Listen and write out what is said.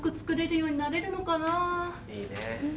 いいね。